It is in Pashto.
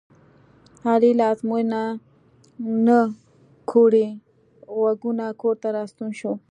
علي له ازموینې نه کوړی غوږونه کورته راستون شو.